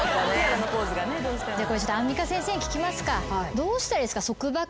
じゃあアンミカ先生に聞きますか。